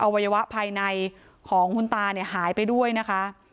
อวัยวะภายในของหุ้นตาหายไปด้วยนะคะ